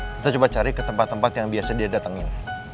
kita coba cari ke tempat tempat yang biasa dia datangin